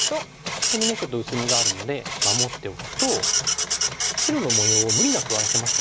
ここにねちょっと薄みがあるので守っておくと白の模様を無理なく荒らせましたよね。